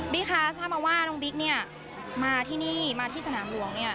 คะทราบมาว่าน้องบิ๊กเนี่ยมาที่นี่มาที่สนามหลวงเนี่ย